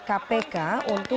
oke pak sofir silakan mundur